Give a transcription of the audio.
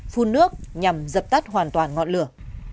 phun nước nhằm dập tắt hoàn toàn ngọn lửa